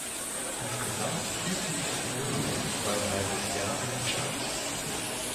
Insgesamt hielt sich die Single über ein halbes Jahr in den Charts.